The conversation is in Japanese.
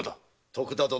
徳田殿。